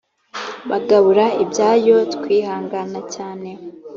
bagabura ibyayo twihangana cyane